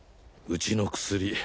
うちの薬